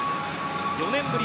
４年ぶり